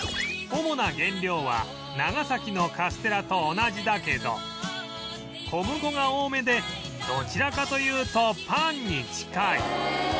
主な原料は長崎のカステラと同じだけど小麦粉が多めでどちらかというとパンに近い